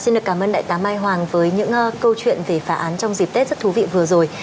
xin được cảm ơn đại tá mai hoàng với những câu chuyện về phá án trong dịp tết rất thú vị vừa rồi